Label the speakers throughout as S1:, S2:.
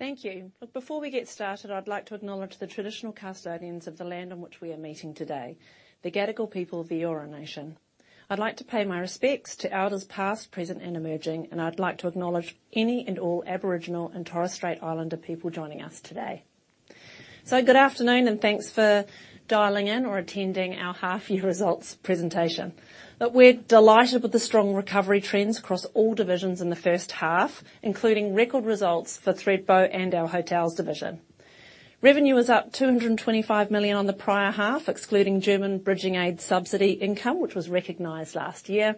S1: Thank you. Before we get started, I'd like to acknowledge the traditional custodians of the land on which we are meeting today, the Gadigal people of the Eora Nation. I'd like to pay my respects to elders past, present, and emerging, and I'd like to acknowledge any and all Aboriginal and Torres Strait Islander people joining us today. Good afternoon, and thanks for dialing in or attending our half year results presentation. Look, we're delighted with the strong recovery trends across all divisions in the first half, including record results for Thredbo and our hotels division. Revenue was up 225 million on the prior half, excluding German Bridging Aid subsidy income, which was recognized last year.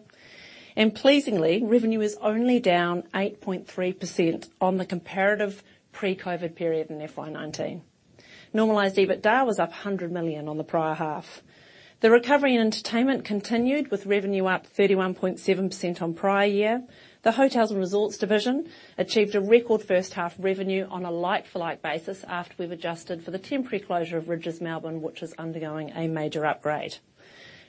S1: Pleasingly, revenue is only down 8.3% on the comparative pre-COVID period in FY 2019. Normalized EBITDA was up 100 million on the prior half. The recovery in entertainment continued, with revenue up 31.7% on prior year. The hotels and resorts division achieved a record first half revenue on a like-for-like basis after we've adjusted for the temporary closure of Rydges Melbourne, which is undergoing a major upgrade.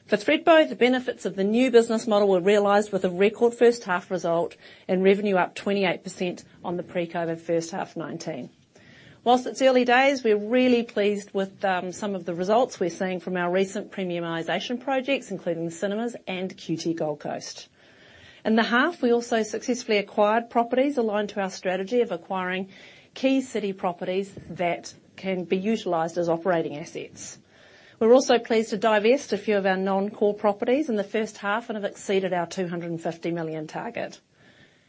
S1: For Thredbo, the benefits of the new business model were realized with a record first half result and revenue up 28% on the pre-COVID first half 2019. Whilst it's early days, we're really pleased with some of the results we're seeing from our recent premiumization projects, including the cinemas and QT Gold Coast. In the half, we also successfully acquired properties aligned to our strategy of acquiring key city properties that can be utilized as operating assets. We're also pleased to divest a few of our non-core properties in the first half and have exceeded our AUD 250 million target.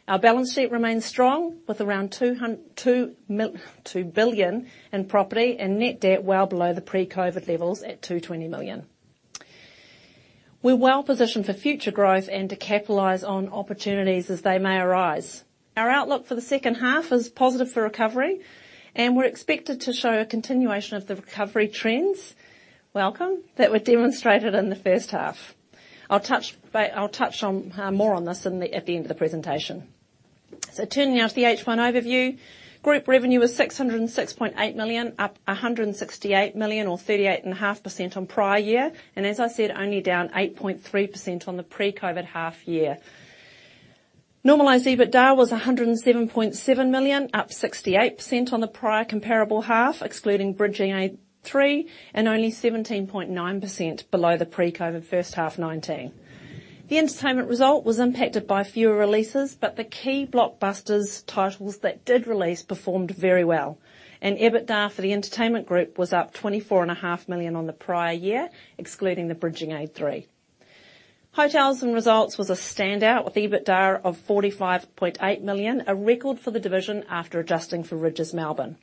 S1: Our balance sheet remains strong with around AUD 2 billion in property and net debt well below the pre-COVID levels at AUD 220 million. We're well-positioned for future growth and to capitalize on opportunities as they may arise. Our outlook for the second half is positive for recovery, we're expected to show a continuation of the recovery trends that were demonstrated in the first half. I'll touch on more on this at the end of the presentation. Turning now to the H1 overview. Group revenue was 606.8 million, up 168 million or 38.5% on prior year, as I said, only down 8.3% on the pre-COVID half year. Normalized EBITDA was 107.7 million, up 68% on the prior comparable half, excluding Bridging Aid III and only 17.9% below the pre-COVID first half 2019. The entertainment result was impacted by fewer releases, but the key blockbusters titles that did release performed very well. EBITDA for the entertainment group was up 24.5 million on the prior year, excluding the Bridging Aid III. Hotels and results was a standout, with EBITDA of 45.8 million, a record for the division after adjusting for Rydges Melbourne.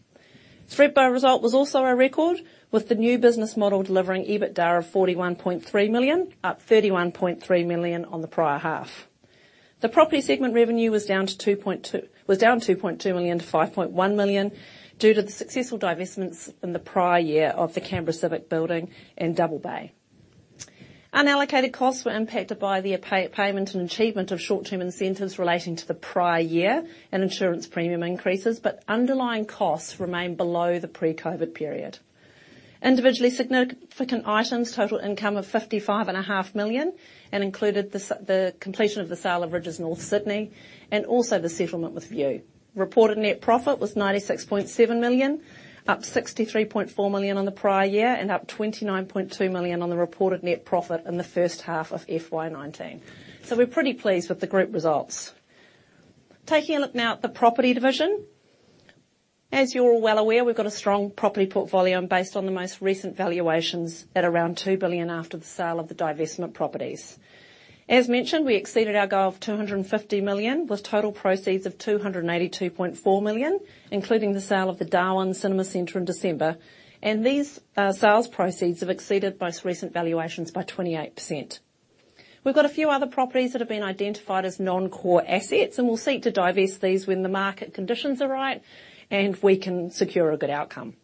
S1: Thredbo result was also a record, with the new business model delivering EBITDA of 41.3 million, up 31.3 million on the prior half. The property segment revenue was down 2.2 million-5.1 million due to the successful divestments in the prior year of the Canberra Civic Building and Double Bay. Unallocated costs were impacted by the payment and achievement of short-term incentives relating to the prior year and insurance premium increases. Underlying costs remain below the pre-COVID period. Individually significant items, total income of 55.5 million and included the completion of the sale of Rydges North Sydney and also the settlement with View. Reported net profit was 96.7 million, up 63.4 million on the prior year and up 29.2 million on the reported net profit in the first half of FY 2019. We're pretty pleased with the group results. Taking a look now at the property division. As you're well aware, we've got a strong property portfolio and based on the most recent valuations at around 2 billion after the sale of the divestment properties. As mentioned, we exceeded our goal of 250 million, with total proceeds of 282.4 million, including the sale of the Darwin Cinema Centre in December. These sales proceeds have exceeded most recent valuations by 28%. We've got a few other properties that have been identified as non-core assets, and we'll seek to divest these when the market conditions are right, and we can secure a good outcome.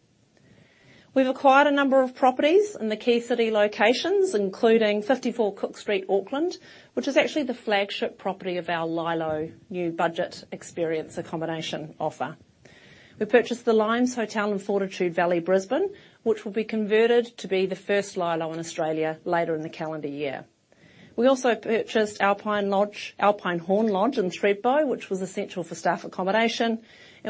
S1: We've acquired a number of properties in the key city locations, including 54 Cook Street, Auckland, which is actually the flagship property of our LyLo new budget experience accommodation offer. We purchased the Limes Hotel in Fortitude Valley, Brisbane, which will be converted to be the first LyLo in Australia later in the calendar year. We also purchased Alpine Lodge, Alpenhorn Lodge in Thredbo, which was essential for staff accommodation.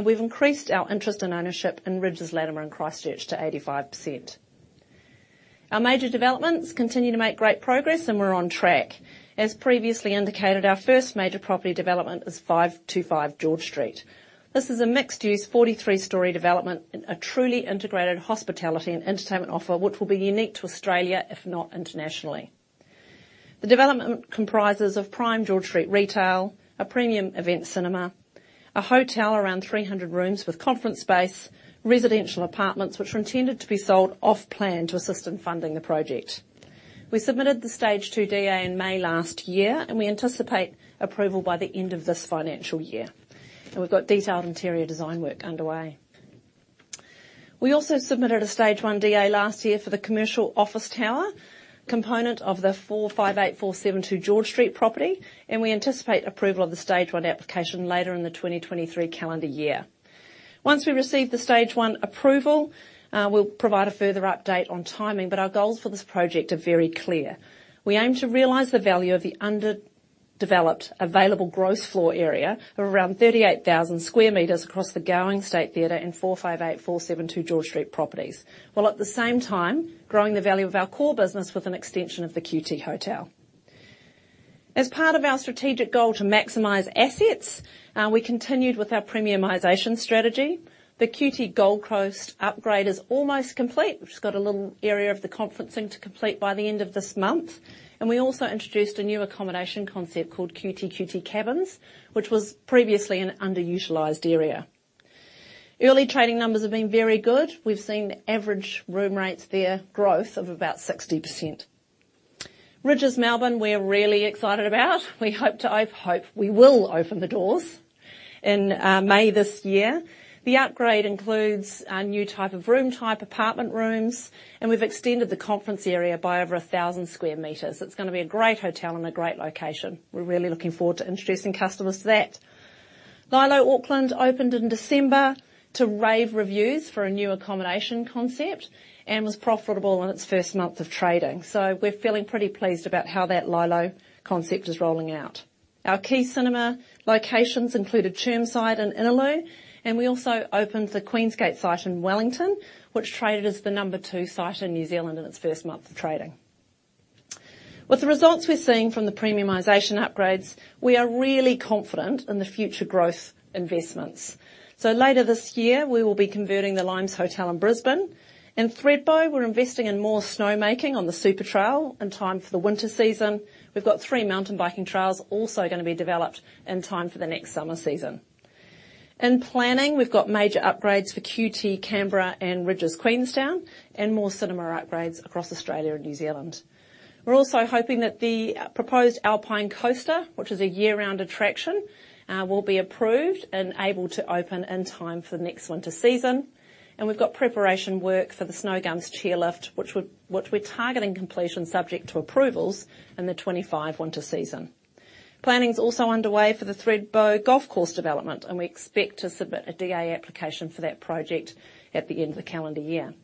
S1: We've increased our interest and ownership in Rydges Latimer Christchurch to 85%. Our major developments continue to make great progress. We're on track. As previously indicated, our first major property development is 525 George Street. This is a mixed-use 43-story development and a truly integrated hospitality and entertainment offer, which will be unique to Australia, if not internationally. The development comprises of prime George Street retail, a premium event cinema, a hotel around 300 rooms with conference space, residential apartments which are intended to be sold off-plan to assist in funding the project. We submitted the stage 2 DA in May last year. We anticipate approval by the end of this financial year. We've got detailed interior design work underway. We also submitted a stage 1 DA last year for the commercial office tower component of the 458-472 George Street property. We anticipate approval of the stage 1 application later in the 2023 calendar year. Once we receive the stage 1 approval, we'll provide a further update on timing. Our goals for this project are very clear. We aim to realize the value of the under-developed available Gross Floor Area of around 38,000 square meters across the Gowings State Theatre and 458-472 George Street properties, while at the same time growing the value of our core business with an extension of the QT hotel. As part of our strategic goal to maximize assets, we continued with our premiumization strategy. The QT Gold Coast upgrade is almost complete. We've just got a little area of the conferencing to complete by the end of this month. We also introduced a new accommodation concept called QT QT Cabins, which was previously an underutilized area. Early trading numbers have been very good. We've seen average room rates there growth of about 60%. Rydges Melbourne, we're really excited about. I hope we will open the doors in May this year. The upgrade includes a new type of room-type apartment rooms, and we've extended the conference area by over 1,000 square meters. It's gonna be a great hotel and a great location. We're really looking forward to introducing customers to that. LyLo Auckland opened in December to rave reviews for a new accommodation concept and was profitable in its first month of trading. We're feeling pretty pleased about how that LyLo concept is rolling out. Our key cinema locations included Chermside and Innaloo, and we also opened the Queensgate site in Wellington, which traded as the number two site in New Zealand in its first month of trading. With the results we're seeing from the premiumization upgrades, we are really confident in the future growth investments. Later this year, we will be converting the Limes Hotel in Brisbane. In Thredbo, we're investing in more snowmaking on the Super Trail in time for the winter season. We've got three mountain biking trails also gonna be developed in time for the next summer season. In planning, we've got major upgrades for QT Canberra and Rydges Queenstown and more cinema upgrades across Australia and New Zealand. We're also hoping that the proposed Alpine Coaster, which is a year-round attraction, will be approved and able to open in time for the next winter season. We've got preparation work for the Snowgums Chairlift, which we're targeting completion subject to approvals in the 2025 winter season. Planning is also underway for the Thredbo Golf Course development, and we expect to submit a DA application for that project at the end of the calendar year.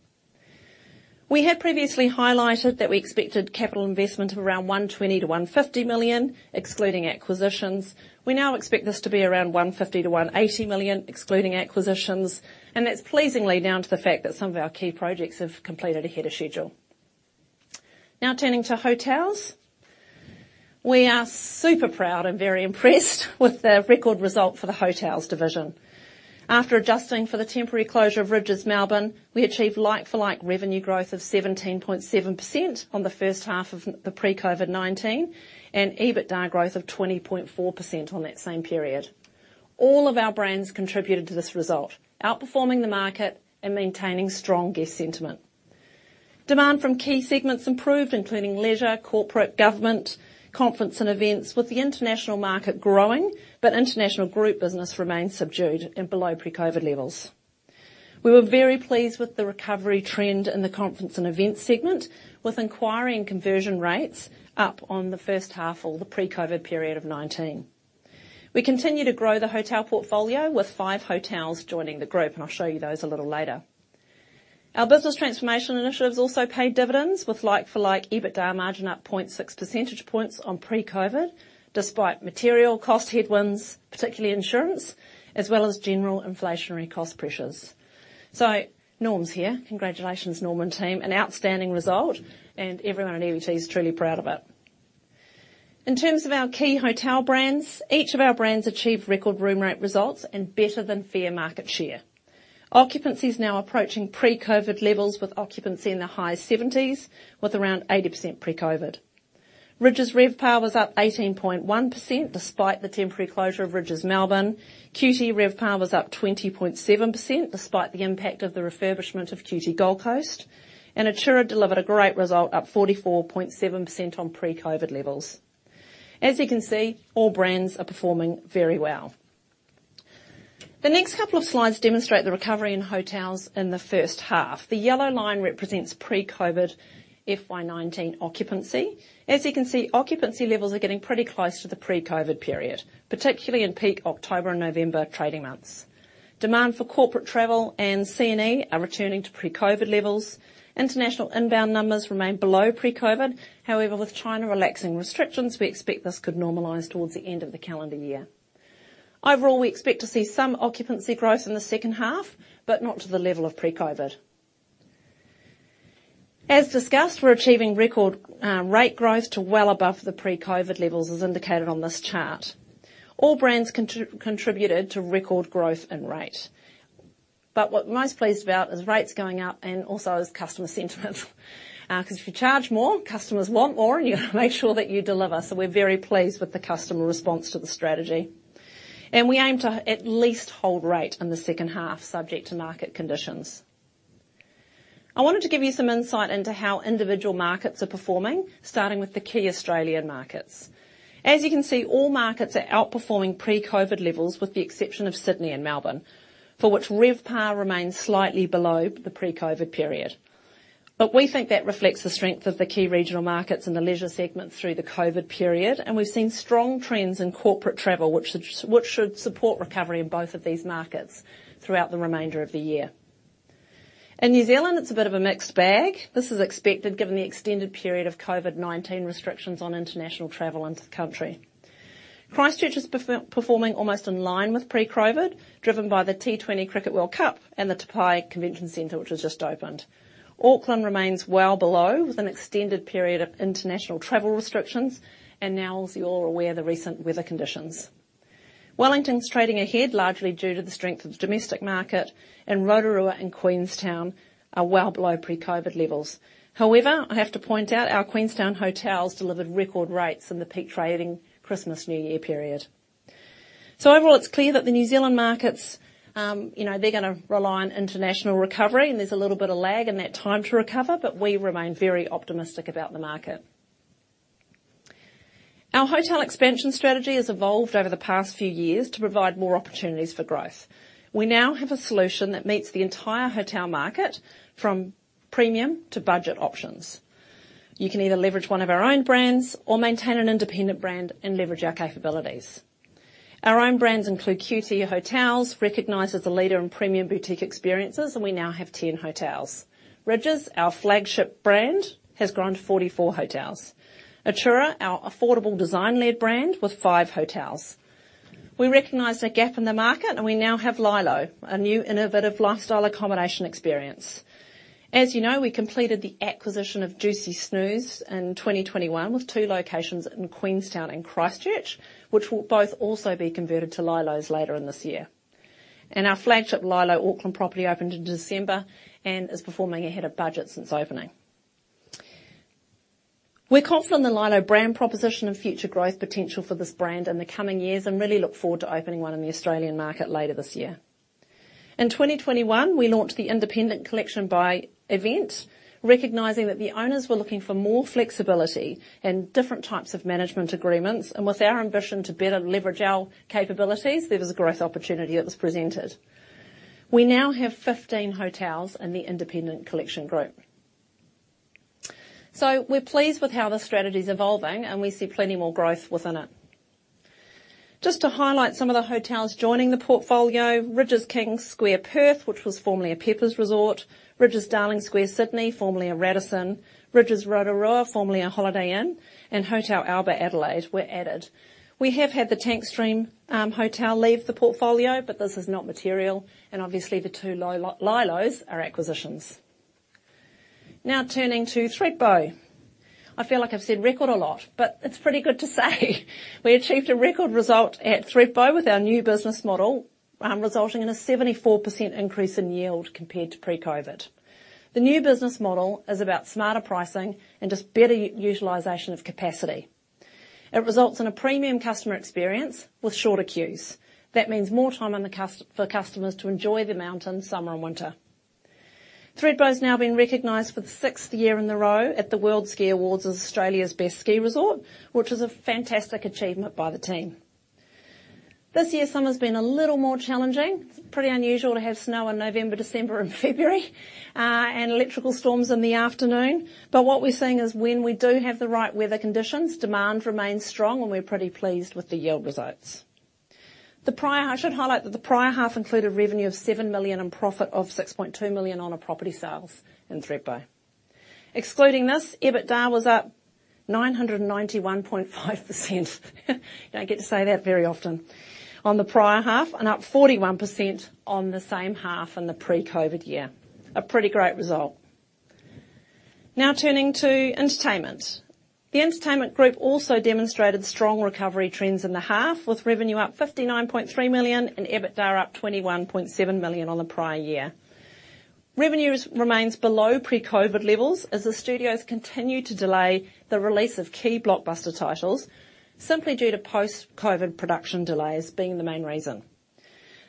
S1: We had previously highlighted that we expected capital investment of around 120 million-150 million, excluding acquisitions. We now expect this to be around 150 million-180 million, excluding acquisitions, and that's pleasingly down to the fact that some of our key projects have completed ahead of schedule. Turning to hotels. We are super proud and very impressed with the record result for the hotels division. After adjusting for the temporary closure of Rydges Melbourne, we achieved like-for-like revenue growth of 17.7% on the first half of the pre-COVID-19 and EBITDA growth of 20.4% on that same period. All of our brands contributed to this result, outperforming the market and maintaining strong guest sentiment. Demand from key segments improved, including leisure, corporate, government, conference, and events, with the international market growing, but international group business remains subdued and below pre-COVID levels. We were very pleased with the recovery trend in the conference and events segment, with inquiry and conversion rates up on the first half or the pre-COVID period of 2019. We continue to grow the hotel portfolio with five hotels joining the group, and I'll show you those a little later. Our business transformation initiatives also paid dividends with like-for-like EBITDA margin up 0.6 percentage points on pre-COVID, despite material cost headwinds, particularly insurance, as well as general inflationary cost pressures. Norm's here. Congratulations, Norm and team, an outstanding result, and everyone at EVT is truly proud of it. In terms of our key hotel brands, each of our brands achieved record room rate results and better than fair market share. Occupancy is now approaching pre-COVID levels with occupancy in the high 70s, with around 80% pre-COVID. Rydges' RevPAR was up 18.1% despite the temporary closure of Rydges Melbourne. QT RevPAR was up 20.7% despite the impact of the refurbishment of QT Gold Coast. Attura delivered a great result, up 44.7% on pre-COVID levels. As you can see, all brands are performing very well. The next couple of slides demonstrate the recovery in hotels in the first half. The yellow line represents pre-COVID FY 2019 occupancy. As you can see, occupancy levels are getting pretty close to the pre-COVID period, particularly in peak October and November trading months. Demand for corporate travel and C&A are returning to pre-COVID levels. International inbound numbers remain below pre-COVID. With China relaxing restrictions, we expect this could normalize towards the end of the calendar year. Overall, we expect to see some occupancy growth in the second half, but not to the level of pre-COVID. As discussed, we're achieving record rate growth to well above the pre-COVID levels as indicated on this chart. All brands contributed to record growth and rate. What we're most pleased about is rates going up and also is customer sentiment. 'Cause if you charge more, customers want more, and you gotta make sure that you deliver. We're very pleased with the customer response to the strategy. We aim to at least hold rate in the second half, subject to market conditions. I wanted to give you some insight into how individual markets are performing, starting with the key Australian markets. As you can see, all markets are outperforming pre-COVID levels with the exception of Sydney and Melbourne, for which RevPAR remains slightly below the pre-COVID period. We think that reflects the strength of the key regional markets and the leisure segments through the COVID period. We've seen strong trends in corporate travel, which should support recovery in both of these markets throughout the remainder of the year. In New Zealand, it's a bit of a mixed bag. This is expected given the extended period of COVID-19 restrictions on international travel into the country. Christchurch is performing almost in line with pre-COVID, driven by the T20 Cricket World Cup and the Te Pae Convention Centre, which has just opened. Auckland remains well below with an extended period of international travel restrictions, and now, as you're aware, the recent weather conditions. Wellington's trading ahead, largely due to the strength of the domestic market, and Rotorua and Queenstown are well below pre-COVID levels. However, I have to point out our Queenstown hotels delivered record rates in the peak trading Christmas-New Year period. Overall, it's clear that the New Zealand markets, you know, they're gonna rely on international recovery, and there's a little bit of lag in that time to recover, but we remain very optimistic about the market. Our hotel expansion strategy has evolved over the past few years to provide more opportunities for growth. We now have a solution that meets the entire hotel market from premium to budget options. You can either leverage one of our own brands or maintain an independent brand and leverage our capabilities. Our own brands include QT Hotels, recognized as the leader in premium boutique experiences, and we now have 10 hotels. Rydges, our flagship brand, has grown to 44 hotels. Atura, our affordable design-led brand, with 5 hotels. We recognized a gap in the market. We now have LyLo, a new innovative lifestyle accommodation experience. As you know, we completed the acquisition of Jucy Snooze in 2021, with 2 locations in Queenstown and Christchurch, which will both also be converted to LyLos later in this year. Our flagship LyLo Auckland property opened in December and is performing ahead of budget since opening. We're confident the LyLo brand proposition and future growth potential for this brand in the coming years and really look forward to opening one in the Australian market later this year. In 2021, we launched the Independent Collection by EVT, recognizing that the owners were looking for more flexibility and different types of management agreements. With our ambition to better leverage our capabilities, there was a growth opportunity that was presented. We now have 15 hotels in the Independent Collection group. We're pleased with how the strategy is evolving, and we see plenty more growth within it. Just to highlight some of the hotels joining the portfolio, Rydges King Square Perth, which was formerly a Peppers Resort, Rydges Darling Square Sydney, formerly a Radisson, Rydges Rotorua, formerly a Holiday Inn, and Hotel Alba Adelaide were added. We have had The Tank Stream Hotel leave the portfolio, but this is not material. Obviously the 2 Lylos are acquisitions. Turning to Thredbo. I feel like I've said record a lot, but it's pretty good to say we achieved a record result at Thredbo with our new business model, resulting in a 74% increase in yield compared to pre-COVID. The new business model is about smarter pricing and just better utilization of capacity. It results in a premium customer experience with shorter queues. More time for customers to enjoy the mountain, summer and winter. Thredbo has now been recognized for the sixth year in a row at the World Ski Awards as Australia's best ski resort, which is a fantastic achievement by the team. This year's summer's been a little more challenging. It's pretty unusual to have snow in November, December, and February, and electrical storms in the afternoon. What we're seeing is when we do have the right weather conditions, demand remains strong, and we're pretty pleased with the yield results. I should highlight that the prior half included revenue of 7 million and profit of 6.2 million on our property sales in Thredbo. Excluding this, EBITDA was up 991.5%. You don't get to say that very often. On the prior half and up 41% on the same half in the pre-COVID year. A pretty great result. Now turning to entertainment. The entertainment group also demonstrated strong recovery trends in the half, with revenue up 59.3 million and EBITDA up 21.7 million on the prior year. Revenues remains below pre-COVID levels as the studios continue to delay the release of key blockbuster titles, simply due to post-COVID production delays being the main reason.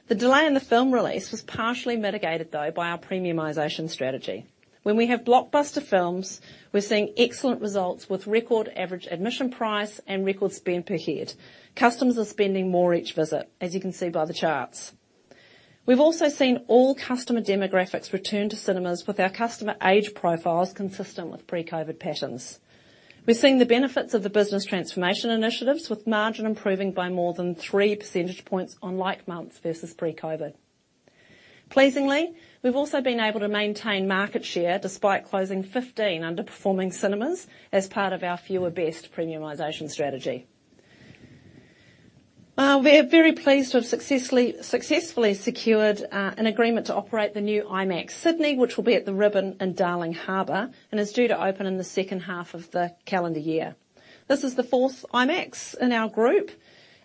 S1: The delay in the film release was partially mitigated, though, by our premiumization strategy. When we have blockbuster films, we're seeing excellent results with record average admission price and record spend per head. Customers are spending more each visit, as you can see by the charts. We've also seen all customer demographics return to cinemas with our customer age profiles consistent with pre-COVID patterns. We're seeing the benefits of the business transformation initiatives, with margin improving by more than 3 percentage points on like months versus pre-COVID. Pleasingly, we've also been able to maintain market share despite closing 15 underperforming cinemas as part of our fewer best premiumization strategy. We're very pleased to have successfully secured an agreement to operate the new IMAX Sydney, which will be at the Ribbon in Darling Harbour and is due to open in the second half of the calendar year. This is the fourth IMAX in our group.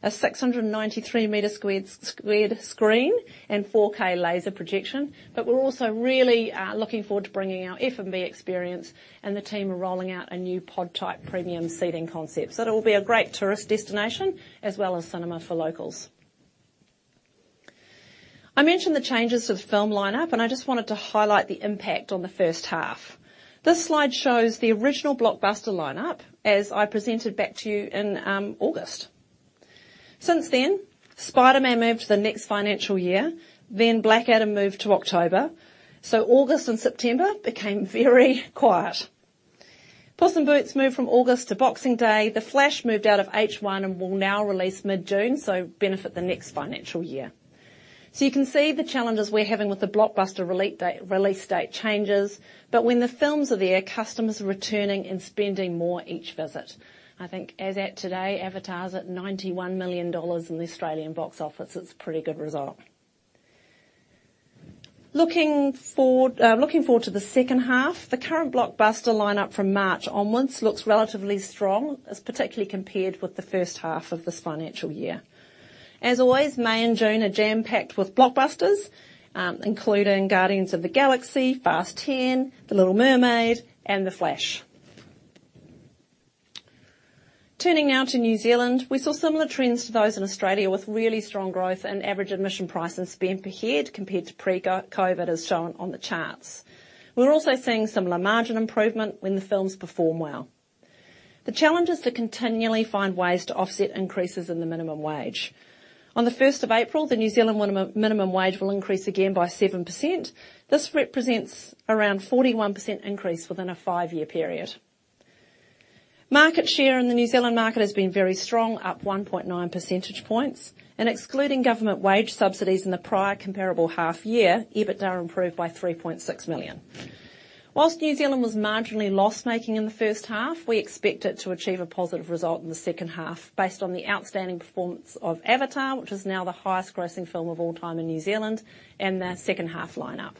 S1: A 693 meter squared screen and 4K laser projection. We're also really looking forward to bringing our F&B experience, and the team are rolling out a new pod-type premium seating concept. It'll be a great tourist destination as well as cinema for locals. I mentioned the changes of film lineup, I just wanted to highlight the impact on the first half. This slide shows the original blockbuster lineup as I presented back to you in August. Since then, Spider-Man moved to the next financial year, Black Adam moved to October. August and September became very quiet. Puss in Boots moved from August to Boxing Day. The Flash moved out of H1 and will now release mid-June, benefit the next financial year. You can see the challenges we're having with the blockbuster release date changes, but when the films are there, customers are returning and spending more each visit. I think as at today, Avatar is at $91 million in the Australian box office. It's a pretty good result. Looking forward to the second half, the current blockbuster lineup from March onwards looks relatively strong, as particularly compared with the first half of this financial year. As always, May and June are jam-packed with blockbusters, including Guardians of the Galaxy, Fast X, The Little Mermaid, and The Flash. Turning now to New Zealand, we saw similar trends to those in Australia with really strong growth in average admission price and spend per head compared to pre-COVID, as shown on the charts. We're also seeing similar margin improvement when the films perform well. The challenge is to continually find ways to offset increases in the minimum wage. On the first of April, the New Zealand minimum wage will increase again by 7%. This represents around 41% increase within a five-year period. Market share in the New Zealand market has been very strong, up 1.9 percentage points. Excluding government wage subsidies in the prior comparable half year, EBITDA improved by 3.6 million. Whilst New Zealand was marginally loss-making in the first half, we expect it to achieve a positive result in the second half based on the outstanding performance of Avatar, which is now the highest grossing film of all time in New Zealand and their second half lineup.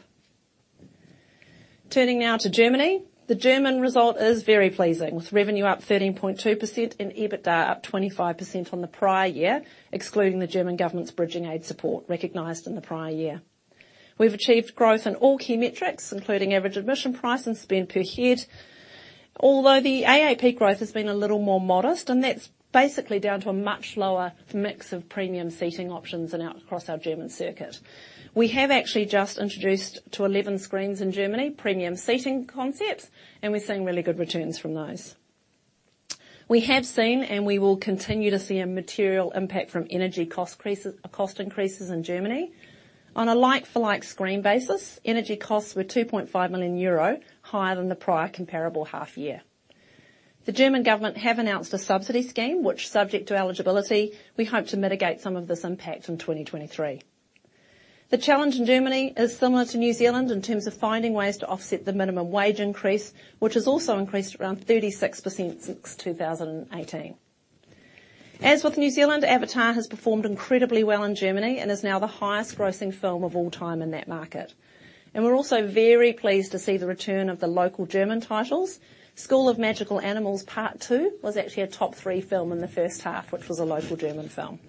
S1: Turning now to Germany. The German result is very pleasing, with revenue up 13.2% and EBITDA up 25% on the prior year, excluding the German government's Bridging Aid support recognized in the prior year. We've achieved growth in all key metrics, including average admission price and spend per head. Although the AAP growth has been a little more modest, that's basically down to a much lower mix of premium seating options across our German circuit. We have actually just introduced to 11 screens in Germany premium seating concepts, we're seeing really good returns from those. We have seen, and we will continue to see, a material impact from energy cost increases in Germany. On a like-for-like screen basis, energy costs were 2.5 million euro higher than the prior comparable half year. The German government have announced a subsidy scheme which, subject to eligibility, we hope to mitigate some of this impact in 2023. The challenge in Germany is similar to New Zealand in terms of finding ways to offset the minimum wage increase, which has also increased around 36% since 2018. As with New Zealand, Avatar has performed incredibly well in Germany and is now the highest grossing film of all time in that market. We're also very pleased to see the return of the local German titles. School of Magical Animals 2 was actually a top three film in the first half, which was a local German film.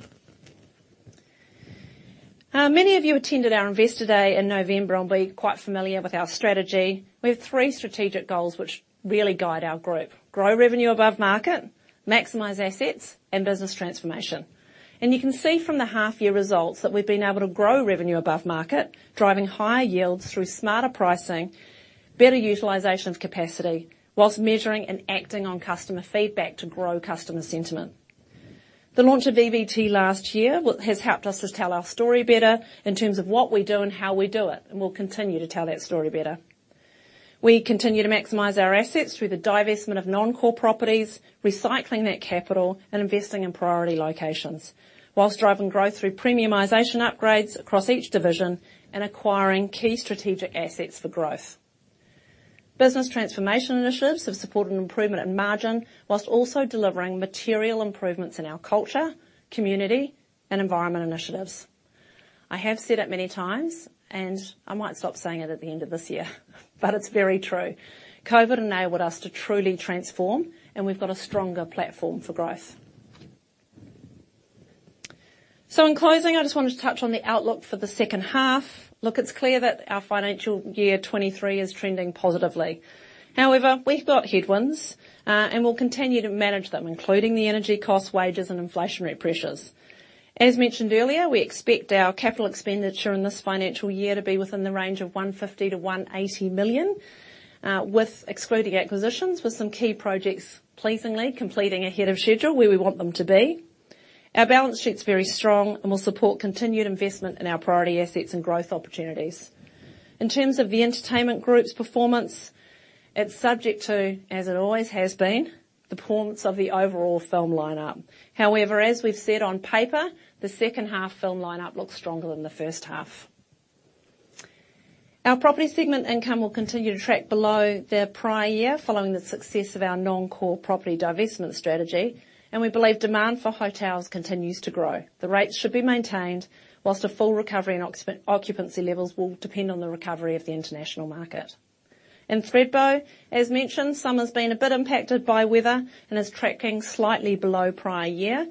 S1: Many of you attended our Investor Day in November and will be quite familiar with our strategy. We have three strategic goals which really guide our group: grow revenue above market, maximize assets, and business transformation. You can see from the half year results that we've been able to grow revenue above market, driving higher yields through smarter pricing, better utilization of capacity, whilst measuring and acting on customer feedback to grow customer sentiment. The launch of EVT last year has helped us to tell our story better in terms of what we do and how we do it, and we'll continue to tell that story better. We continue to maximize our assets through the divestment of non-core properties, recycling that capital and investing in priority locations, while driving growth through premiumization upgrades across each division and acquiring key strategic assets for growth. Business transformation initiatives have supported an improvement in margin while also delivering material improvements in our culture, community, and environment initiatives. I have said it many times, and I might stop saying it at the end of this year, but it's very true. COVID enabled us to truly transform, and we've got a stronger platform for growth. In closing, I just wanted to touch on the outlook for the second half. Look, it's clear that our financial year 2023 is trending positively. We've got headwinds, and we'll continue to manage them, including the energy costs, wages, and inflationary pressures. As mentioned earlier, we expect our capital expenditure in this financial year to be within the range of 150 million-180 million, with excluding acquisitions, with some key projects pleasingly completing ahead of schedule where we want them to be. Our balance sheet's very strong and will support continued investment in our priority assets and growth opportunities. In terms of the entertainment group's performance, it's subject to, as it always has been, the performance of the overall film lineup. As we've said on paper, the second half film lineup looks stronger than the first half. Our property segment income will continue to track below the prior year following the success of our non-core property divestment strategy. We believe demand for hotels continues to grow. The rates should be maintained, while a full recovery in occupancy levels will depend on the recovery of the international market. In Thredbo, as mentioned, summer's been a bit impacted by weather and is tracking slightly below prior year.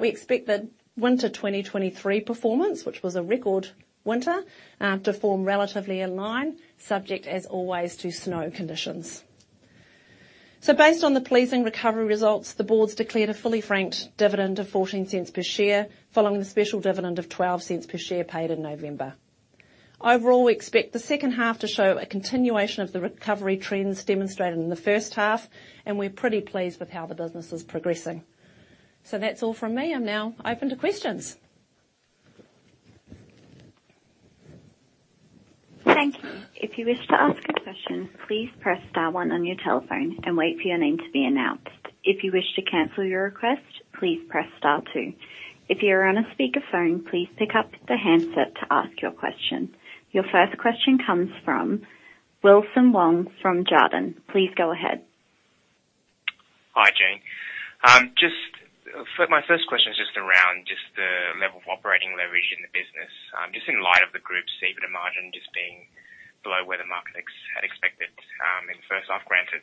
S1: We expect the winter 2023 performance, which was a record winter, to form relatively in line, subject as always to snow conditions. Based on the pleasing recovery results, the board's declared a fully franked dividend of 0.14 per share, following the special dividend of 0.12 per share paid in November. Overall, we expect the second half to show a continuation of the recovery trends demonstrated in the first half, and we're pretty pleased with how the business is progressing. That's all from me. I'm now open to questions.
S2: Thank you. If you wish to ask a question, please press star one on your telephone and wait for your name to be announced. If you wish to cancel your request, please press star two. If you're on a speakerphone, please pick up the handset to ask your question. Your first question comes from Wilson Wong from Jarden. Please go ahead.
S3: Hi, Jane. Just my first question is around the level of operating leverage in the business, in light of the group's EBITDA margin being below where the market had expected. First off, granted,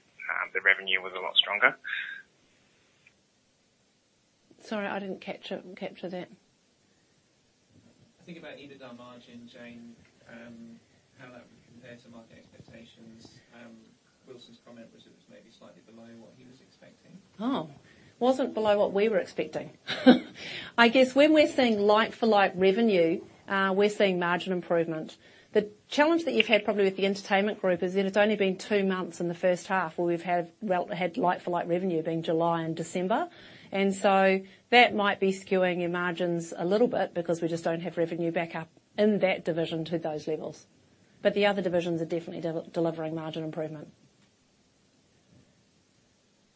S3: the revenue was a lot stronger.
S1: Sorry, I didn't capture that.
S4: I think about EBITDA margin, Jane, how that would compare to market expectations. Wilson's comment was it was maybe slightly below what he was expecting.
S1: Oh. Wasn't below what we were expecting. I guess when we're seeing like-for-like revenue, we're seeing margin improvement. The challenge that you've had probably with the entertainment group is that it's only been 2 months in the first half where we've had like-for-like revenue, being July and December. That might be skewing your margins a little bit because we just don't have revenue back up in that division to those levels. The other divisions are definitely delivering margin improvement.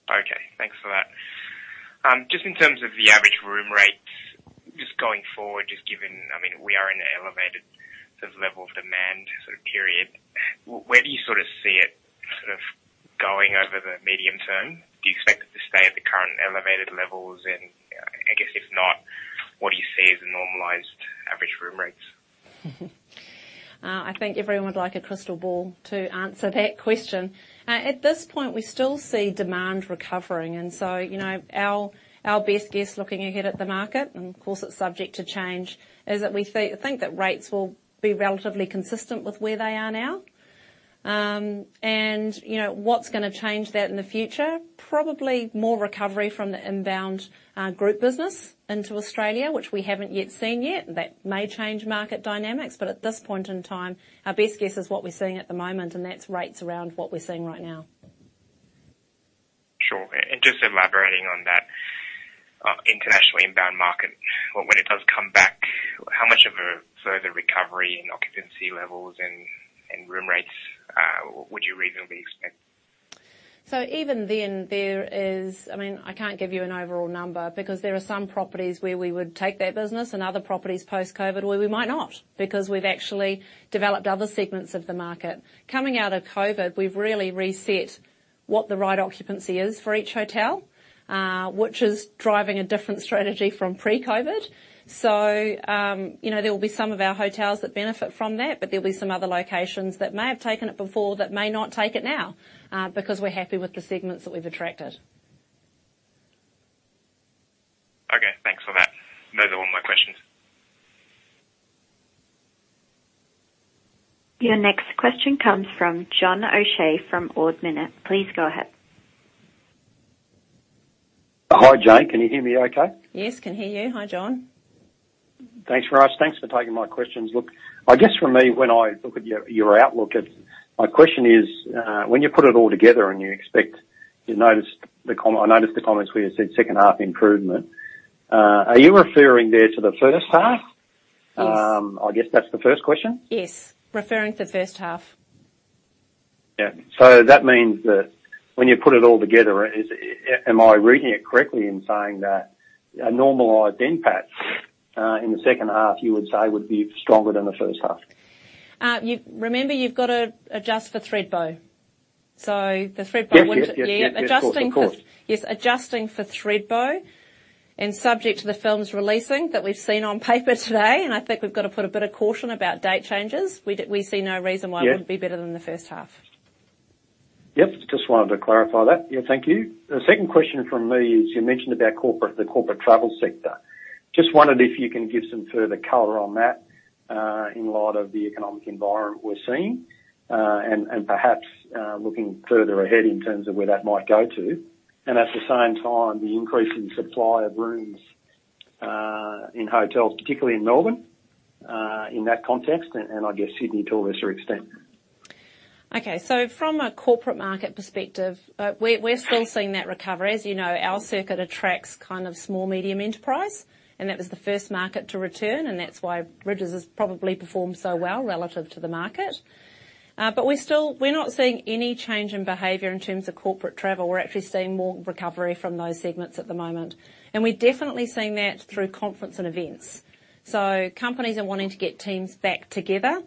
S3: Okay, thanks for that. Just in terms of the average room rates, just going forward, just given, I mean, we are in an elevated sort of level of demand sort of period, where do you sort of see it sort of going over the medium term? Do you expect it to stay at the current elevated levels? I guess if not, what do you see as the normalized average room rates?
S1: I think everyone would like a crystal ball to answer that question. At this point, we still see demand recovering, you know, our best guess looking ahead at the market, and of course it's subject to change, is that we think that rates will be relatively consistent with where they are now. You know, what's gonna change that in the future? Probably more recovery from the inbound, group business into Australia, which we haven't yet seen yet. That may change market dynamics. At this point in time, our best guess is what we're seeing at the moment, and that's rates around what we're seeing right now.
S3: Sure. Just elaborating on that, international inbound market, when it does come back, how much of a further recovery in occupancy levels and room rates, would you reasonably expect?
S1: Even then, I mean, I can't give you an overall number because there are some properties where we would take that business and other properties post-COVID where we might not because we've actually developed other segments of the market. Coming out of COVID, we've really reset what the right occupancy is for each hotel, which is driving a different strategy from pre-COVID. you know, there will be some of our hotels that benefit from that, but there'll be some other locations that may have taken it before that may not take it now, because we're happy with the segments that we've attracted.
S3: Okay, thanks for that. Those are all my questions.
S2: Your next question comes from John O'Shea from Ord Minnett. Please go ahead.
S5: Hi, Jane. Can you hear me okay?
S1: Yes. Can hear you. Hi, John.
S5: Thanks for asking. Thanks for taking my questions. Look, I guess for me, when I look at your outlook. My question is, when you put it all together and you expect, I noticed the comments where you said second half improvement. Are you referring there to the first half?
S1: Yes.
S5: I guess that's the first question.
S1: Yes. Referring to the first half.
S5: Yeah. That means that when you put it all together, am I reading it correctly in saying that a normalized NPAT in the second half, you would say would be stronger than the first half?
S1: Remember you've got to adjust for Thredbo. The Thredbo winter.
S5: Yep. Yep, yep.
S1: Yeah.
S5: Of course. Of course.
S1: Yes. Adjusting for Thredbo and subject to the films releasing that we've seen on paper today, and I think we've got to put a bit of caution about date changes. We see no reason why-
S5: Yeah.
S1: it wouldn't be better than the first half.
S5: Yep. Just wanted to clarify that. Yeah. Thank you. The second question from me is you mentioned about corporate, the corporate travel sector. Just wondered if you can give some further color on that in light of the economic environment we're seeing and perhaps looking further ahead in terms of where that might go to. At the same time, the increase in supply of rooms in hotels, particularly in Melbourne, in that context, and I guess Sydney to a lesser extent.
S1: Okay. From a corporate market perspective, we're still seeing that recovery. As you know, our circuit attracts kind of small medium enterprise, and that was the first market to return, and that's why Rydges has probably performed so well relative to the market. We're not seeing any change in behavior in terms of corporate travel. We're actually seeing more recovery from those segments at the moment. We're definitely seeing that through conference and events. Companies are wanting to get teams back together.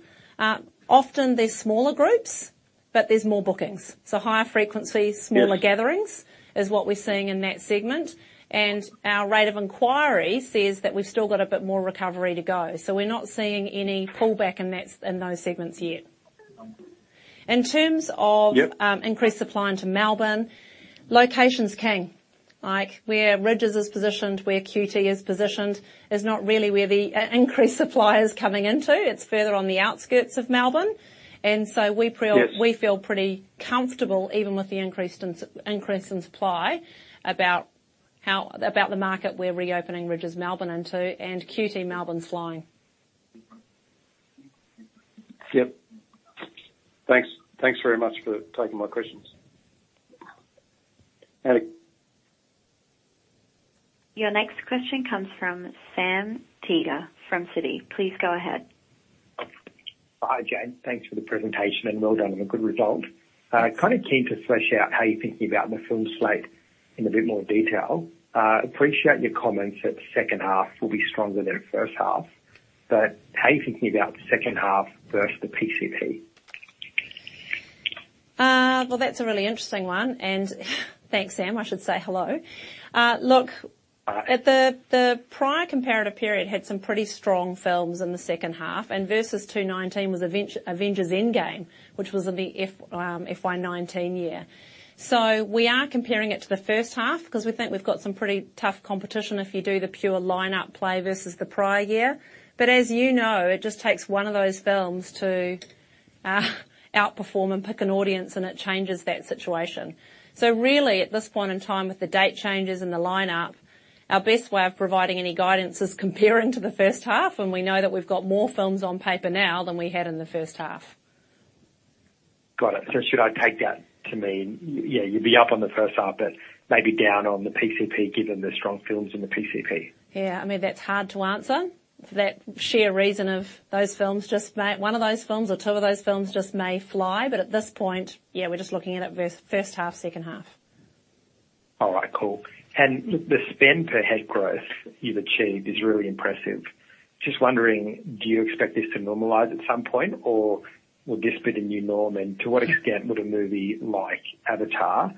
S1: Often they're smaller groups, but there's more bookings. Higher frequency-
S5: Yeah.
S1: smaller gatherings is what we're seeing in that segment. Our rate of inquiry says that we've still got a bit more recovery to go. We're not seeing any pullback in those segments yet.
S5: Um-
S1: In terms of-
S5: Yep.
S1: increased supply into Melbourne, location's king. Like, where Rydges is positioned, where QT is positioned is not really where the increased supply is coming into. It's further on the outskirts of Melbourne.
S5: Yes.
S1: We feel pretty comfortable, even with the increase in supply, about the market we're reopening Rydges Melbourne into and QT Melbourne flying.
S5: Yep. Thanks. Thanks very much for taking my questions.
S2: Your next question comes from Sam Teeger from Citi. Please go ahead.
S6: Hi, Jane. Thanks for the presentation, and well done on a good result. Kind of keen to flesh out how you're thinking about the film slate in a bit more detail. Appreciate your comments that the second half will be stronger than first half, but how are you thinking about the second half versus the PCP?
S1: Well, that's a really interesting one. Thanks, Sam. I should say hello. Look, at the prior comparative period had some pretty strong films in the second half, and versus 2019 was Avengers: Endgame, which was in the FY 19 year. We are comparing it to the first half 'cause we think we've got some pretty tough competition if you do the pure lineup play versus the prior year. As you know, it just takes one of those films to outperform and pick an audience, and it changes that situation. Really, at this point in time, with the date changes and the lineup, our best way of providing any guidance is comparing to the first half, and we know that we've got more films on paper now than we had in the first half.
S6: Got it. Should I take that to mean, yeah, you'd be up on the first half, but maybe down on the PCP, given the strong films in the PCP?
S1: Yeah. I mean, that's hard to answer for that sheer reason of those films just may... One of those films or two of those films just may fly, but at this point, yeah, we're just looking at it vers first half, second half.
S6: All right, cool. The spend per head growth you've achieved is really impressive. Just wondering, do you expect this to normalize at some point, or will this be the new norm? To what extent would a movie like Avatar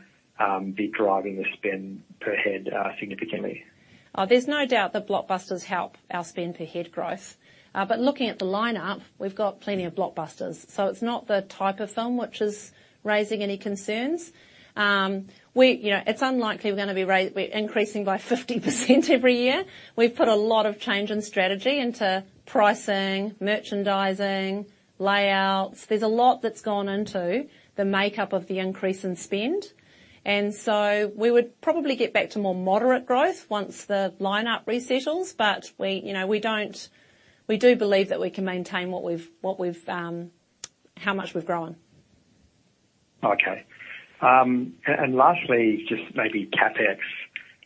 S6: be driving the spend per head significantly?
S1: There's no doubt that blockbusters help our spend per head growth. Looking at the lineup, we've got plenty of blockbusters, so it's not the type of film which is raising any concerns. You know, it's unlikely we're gonna be increasing by 50% every year. We've put a lot of change in strategy into pricing, merchandising, layouts. There's a lot that's gone into the makeup of the increase in spend. We would probably get back to more moderate growth once the lineup resettles. We, you know, We do believe that we can maintain what we've, what we've, how much we've grown.
S6: Okay. Lastly, just maybe CapEx.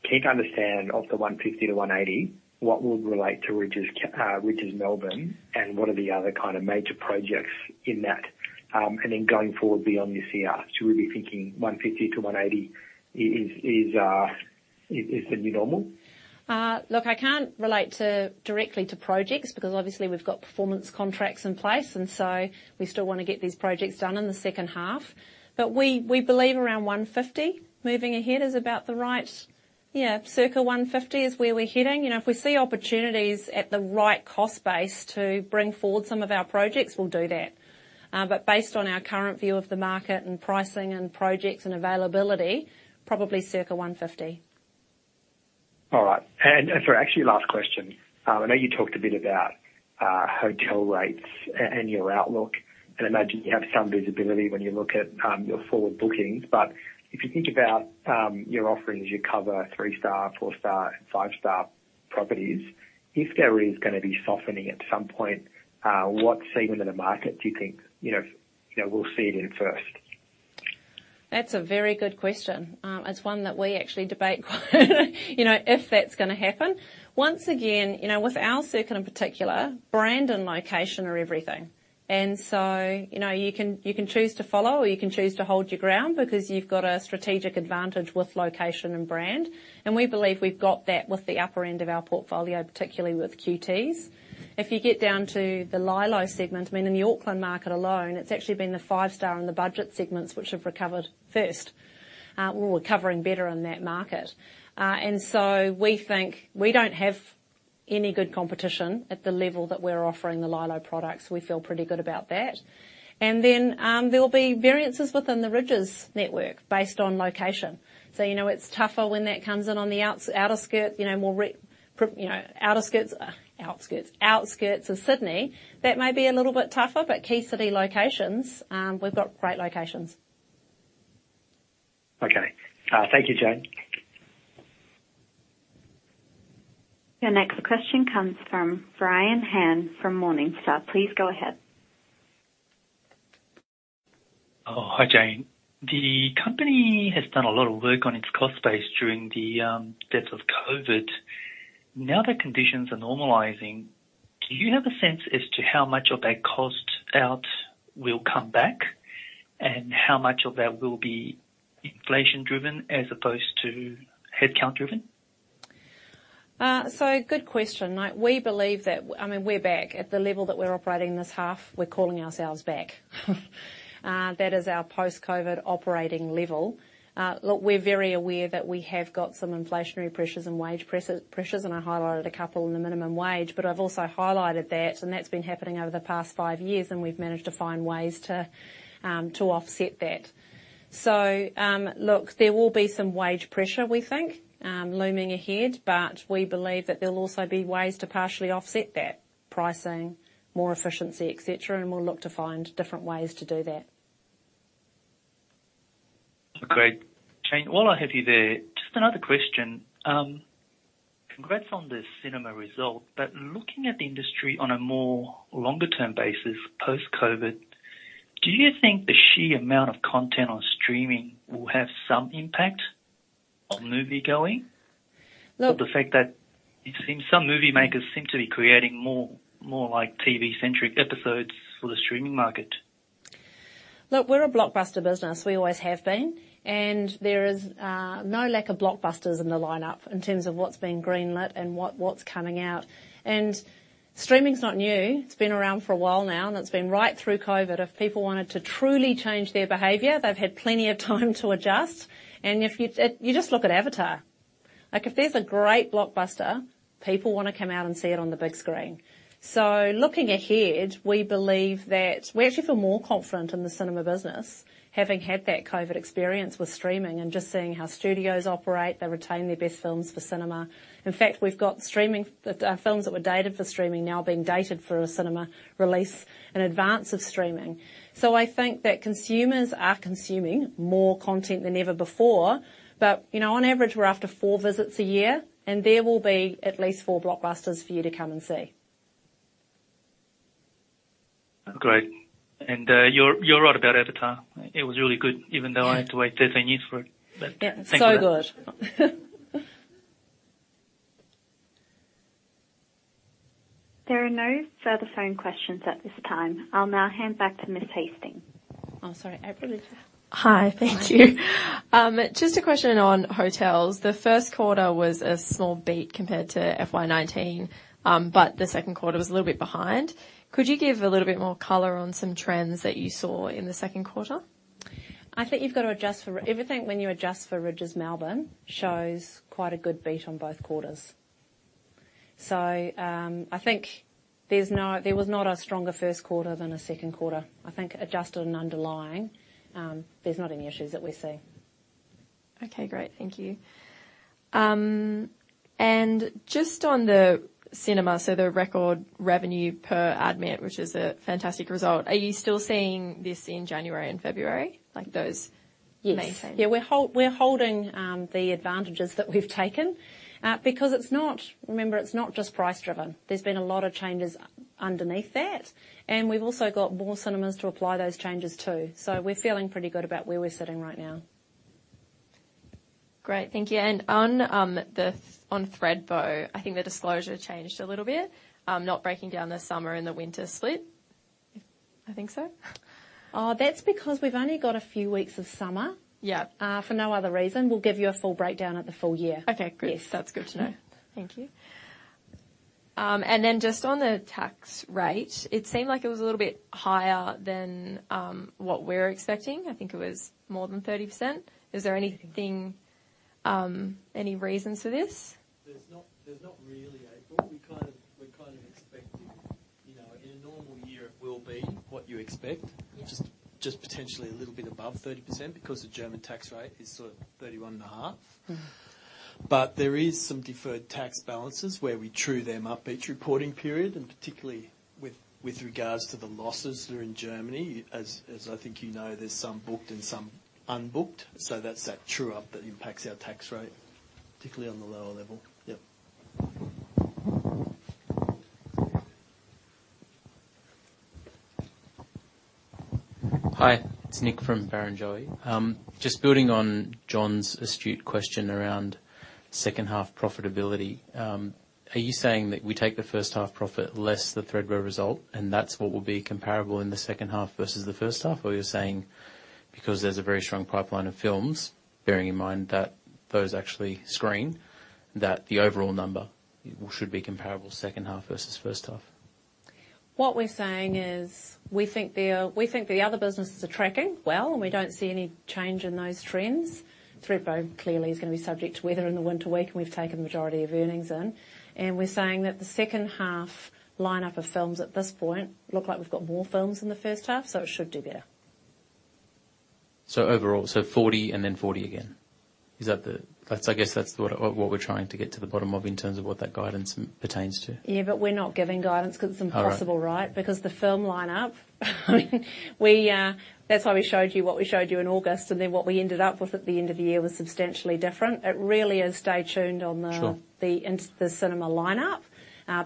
S6: Can you understand of the 150 million-180 million, what would relate to Rydges Melbourne, and what are the other kind of major projects in that? Going forward beyond this year, should we be thinking 150 million-180 million is the new normal?
S1: Look, I can't relate to, directly to projects because obviously we've got performance contracts in place, we still wanna get these projects done in the second half. We believe around 150 million moving ahead is about the right. Yeah, circa 150 million is where we're heading. You know, if we see opportunities at the right cost base to bring forward some of our projects, we'll do that. Based on our current view of the market and pricing and projects and availability, probably circa 150 million.
S6: All right. For actually last question, I know you talked a bit about hotel rates and your outlook, and I imagine you have some visibility when you look at your forward bookings. If you think about your offerings, you cover three-star, four-star and five-star properties. If there is gonna be softening at some point, what segment of the market do you think, you know, we'll see it in first?
S1: That's a very good question. It's one that we actually debate. You know, if that's gonna happen. Once again, you know, with our circuit in particular, brand and location are everything. You know, you can, you can choose to follow or you can choose to hold your ground because you've got a strategic advantage with location and brand. We believe we've got that with the upper end of our portfolio, particularly with QTs. If you get down to the LyLo segment, I mean, in the Auckland market alone, it's actually been the five-star and the budget segments which have recovered first. Well, we're recovering better in that market. We think we don't have any good competition at the level that we're offering the LyLo products. We feel pretty good about that. Then, there'll be variances within the Rydges network based on location. You know, it's tougher when that comes in on the outer skirt, you know, outskirts of Sydney. That may be a little bit tougher, but key city locations, we've got great locations.
S6: Okay. Thank you, Jane.
S2: Your next question comes from Brian Han from Morningstar. Please go ahead.
S7: Hi, Jane. The company has done a lot of work on its cost base during the depths of COVID. Now that conditions are normalizing, do you have a sense as to how much of that cost out will come back, and how much of that will be inflation-driven as opposed to headcount-driven?
S1: Good question. Like, we believe that I mean, we're back. At the level that we're operating this half, we're calling ourselves back. That is our post-COVID operating level. Look, we're very aware that we have got some inflationary pressures and wage pressures, and I highlighted a couple in the minimum wage. I've also highlighted that, and that's been happening over the past five years, and we've managed to find ways to offset that. Look, there will be some wage pressure, we think, looming ahead, we believe that there'll also be ways to partially offset that: pricing, more efficiency, et cetera, and we'll look to find different ways to do that.
S7: Great. Jane, while I have you there, just another question. Congrats on the cinema result, but looking at the industry on a more longer-term basis post-COVID Do you think the sheer amount of content on streaming will have some impact on moviegoing?
S1: Look-
S7: The fact that it seems some movie makers seem to be creating more like TV-centric episodes for the streaming market.
S1: Look, we're a blockbuster business. We always have been. There is no lack of blockbusters in the lineup in terms of what's being greenlit and what's coming out. Streaming's not new. It's been around for a while now, and it's been right through COVID. If people wanted to truly change their behavior, they've had plenty of time to adjust. If you just look at Avatar. Like, if there's a great blockbuster, people wanna come out and see it on the big screen. Looking ahead, we believe that we actually feel more confident in the cinema business having had that COVID experience with streaming and just seeing how studios operate. They retain their best films for cinema. In fact, we've got streaming films that were dated for streaming now being dated for a cinema release in advance of streaming. I think that consumers are consuming more content than ever before. But, you know, on average, we're after 4 visits a year, and there will be at least 4 blockbusters for you to come and see.
S7: Great. You're right about Avatar. It was really good, even though...
S1: Yeah.
S7: I had to wait 13 years for it. Thank you for that.
S1: Yeah. Good.
S2: There are no further phone questions at this time. I'll now hand back to Jane Hastings.
S8: Oh, sorry. April, is your...
S1: Hi.
S8: Hi. Thank you. Just a question on hotels. The first quarter was a small beat compared to FY 2019. The second quarter was a little bit behind. Could you give a little bit more color on some trends that you saw in the second quarter?
S1: I think you've got to adjust for everything when you adjust for Rydges Melbourne shows quite a good beat on both quarters. I think there was not a stronger first quarter than a second quarter. I think adjusted and underlying, there's not any issues that we see.
S8: Okay, great. Thank you. Just on the cinema, the record revenue per admit, which is a fantastic result, are you still seeing this in January and February like?
S1: Yes.
S8: -maintain?
S1: Yeah. We're holding the advantages that we've taken, because it's not. Remember, it's not just price driven. There's been a lot of changes underneath that, and we've also got more cinemas to apply those changes too. We're feeling pretty good about where we're sitting right now.
S8: Great. Thank you. On Thredbo, I think the disclosure changed a little bit, not breaking down the summer and the winter split. I think so.
S1: That's because we've only got a few weeks of summer.
S8: Yeah.
S1: For no other reason. We'll give you a full breakdown at the full year.
S8: Okay, great.
S1: Yes.
S8: That's good to know.
S1: Yeah.
S8: Thank you. Just on the tax rate, it seemed like it was a little bit higher than what we're expecting. I think it was more than 30%. Is there anything, any reasons for this?
S9: There's not really, April. We're kind of expecting, you know, in a normal year it will be what you expect.
S8: Yeah.
S9: Just potentially a little bit above 30% because the German tax rate is sort of 31.5%.
S8: Mm-hmm.
S9: There is some deferred tax balances where we true them up each reporting period, and particularly with regards to the losses that are in Germany. As I think you know, there's some booked and some unbooked. That true-up that impacts our tax rate, particularly on the lower level. Yeah.
S10: Hi, it's Nick from Barrenjoey. Just building on John's astute question around second half profitability. Are you saying that we take the first half profit less the Thredbo result, and that's what will be comparable in the second half versus the first half? You're saying because there's a very strong pipeline of films, bearing in mind that those actually screen, that the overall number should be comparable second half versus first half?
S1: What we're saying is we think the other businesses are tracking well, and we don't see any change in those trends. Thredbo clearly is going to be subject to weather in the winter week, and we've taken the majority of earnings in. We're saying that the second half lineup of films at this point look like we've got more films than the first half, so it should do better.
S10: Overall, so 40 and then 40 again? Is that the, I guess that's the, what we're trying to get to the bottom of in terms of what that guidance pertains to.
S1: Yeah, we're not giving guidance 'cause it's impossible, right?
S10: All right.
S1: The film lineup, I mean, That's why we showed you what we showed you in August, and then what we ended up with at the end of the year was substantially different. It really is stay tuned on...
S10: Sure.
S1: the cinema lineup,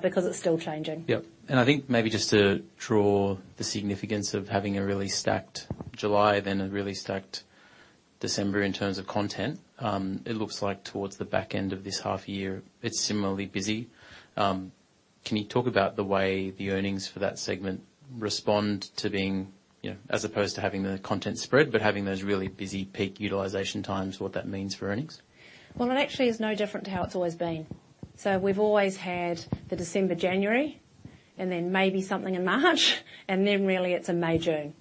S1: because it's still changing.
S10: Yep. I think maybe just to draw the significance of having a really stacked July, then a really stacked December in terms of content, it looks like towards the back end of this half year it's similarly busy. Can you talk about the way the earnings for that segment respond to being, you know, as opposed to having the content spread, but having those really busy peak utilization times, what that means for earnings?
S1: Well, it actually is no different to how it's always been. We've always had the December, January, and then maybe something in March and then really it's a May, June.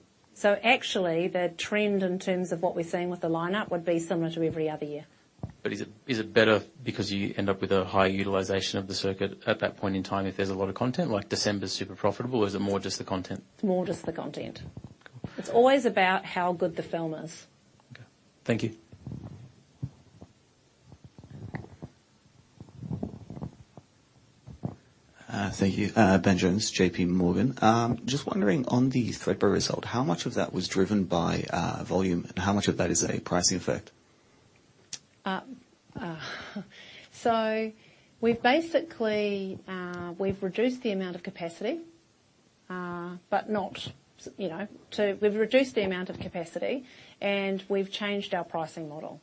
S1: Actually the trend in terms of what we're seeing with the lineup would be similar to every other year.
S10: Is it better because you end up with a higher utilization of the circuit at that point in time if there's a lot of content, like December's super profitable, or is it more just the content?
S1: It's more just the content.
S10: Cool.
S1: It's always about how good the film is.
S10: Okay. Thank you.
S11: Thank you. Ben Jones, JPMorgan. Just wondering on the Thredbo result, how much of that was driven by volume, and how much of that is a pricing effect?
S1: So we've basically, we've reduced the amount of capacity, and we've changed our pricing model.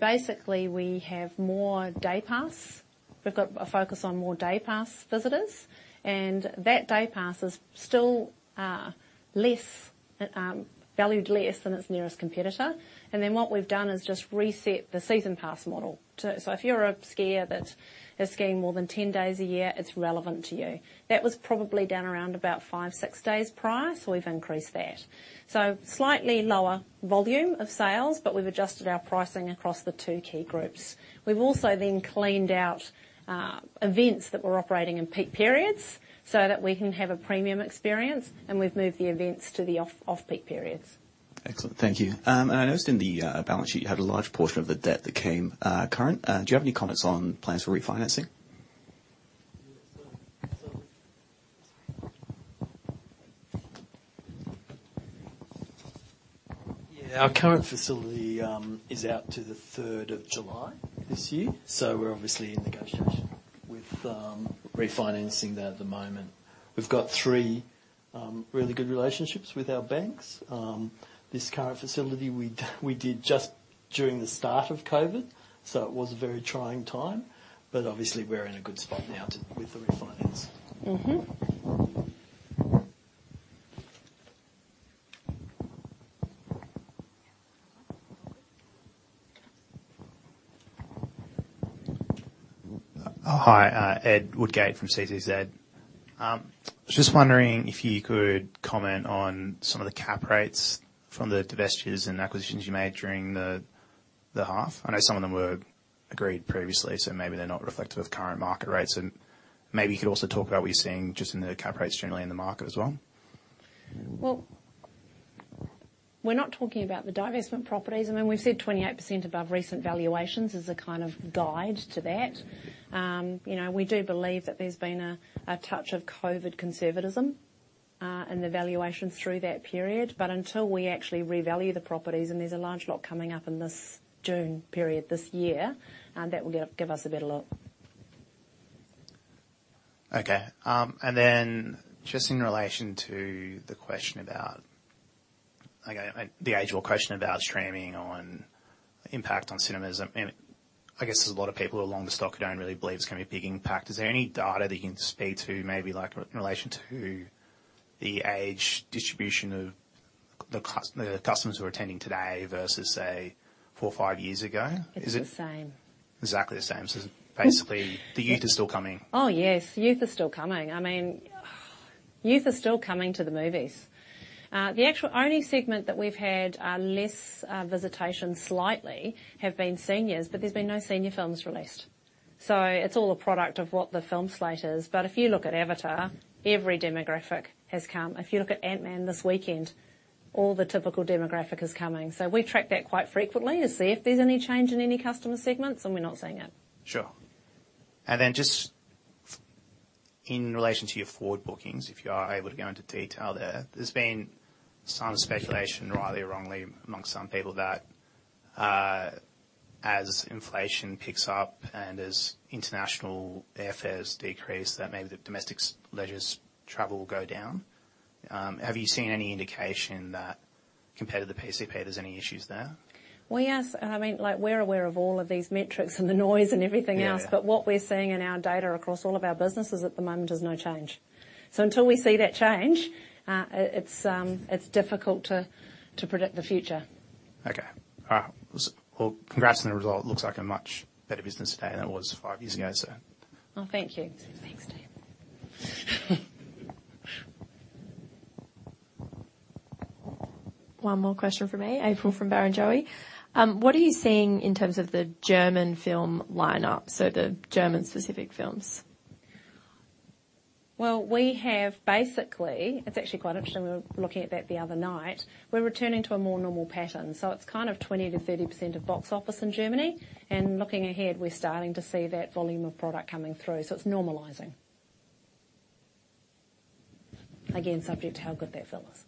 S1: Basically, we have more day pass. We've got a focus on more day pass visitors, and that day pass is still, less, valued less than its nearest competitor. Then what we've done is just reset the season pass model to... If you're a skier that is skiing more than 10 days a year, it's relevant to you. That was probably down around about five days, six days prior, so we've increased that. Slightly lower volume of sales, but we've adjusted our pricing across the two key groups. We've also then cleaned out events that were operating in peak periods so that we can have a premium experience, and we've moved the events to the off-peak periods.
S11: Excellent. Thank you. I noticed in the balance sheet, you had a large portion of the debt that came current. Do you have any comments on plans for refinancing?
S4: Yeah. Our current facility, is out to the third of July this year. We're obviously in negotiation with, refinancing that at the moment. We've got three really good relationships with our banks. This current facility we did just during the start of COVID. It was a very trying time. Obviously, we're in a good spot now with the refinance.
S1: Mm-hmm.
S12: Hi. Ed Woodgate from CCZ. Just wondering if you could comment on some of the cap rates from the divestitures and acquisitions you made during the half. I know some of them were agreed previously, so maybe they're not reflective of current market rates. Maybe you could also talk about what you're seeing just in the cap rates generally in the market as well.
S1: Well, we're not talking about the divestment properties. I mean, we've said 28% above recent valuations as a kind of guide to that. you know, we do believe that there's been a touch of COVID conservatism in the valuations through that period. Until we actually revalue the properties, and there's a large lot coming up in this June period this year, that will give us a better look.
S12: Okay. Just in relation to the question about, The age-old question about streaming on impact on cinemas and I guess there's a lot of people who are long the stock who don't really believe it's gonna be a big impact. Is there any data that you can speak to, maybe, like, in relation to the age distribution of the customers who are attending today versus, say, four or five years ago?
S1: It's the same.
S12: Exactly the same. The youth are still coming.
S1: Yes. Youth are still coming. I mean, youth are still coming to the movies. The actual only segment that we've had less visitation slightly have been seniors. There's been no senior films released. It's all a product of what the film slate is. If you look at Avatar, every demographic has come. If you look at Ant-Man this weekend, all the typical demographic is coming. We track that quite frequently to see if there's any change in any customer segments, and we're not seeing it.
S12: Sure. Then just in relation to your forward bookings, if you are able to go into detail there's been some speculation, rightly or wrongly, amongst some people that, as inflation picks up and as international airfares decrease, that maybe the domestic leisure travel will go down. Have you seen any indication that compared to the PCP, there's any issues there?
S1: I mean, like, we're aware of all of these metrics and the noise and everything else.
S12: Yeah, yeah.
S1: What we're seeing in our data across all of our businesses at the moment is no change. Until we see that change, it's difficult to predict the future.
S12: Okay. All right. Well, congrats on the result. Looks like a much better business today than it was five years ago, so...
S1: Oh, thank you. Thanks, Dave.
S2: One more question from me. April from Barrenjoey. What are you seeing in terms of the German film lineup, so the German-specific films?
S1: Well, it's actually quite interesting. We were looking at that the other night. We're returning to a more normal pattern, so it's kind of 20%-30% of box office in Germany. Looking ahead, we're starting to see that volume of product coming through, so it's normalizing. Again, subject to how good that film is.